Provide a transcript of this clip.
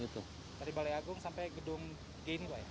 dari balai agung sampai gedung gini pak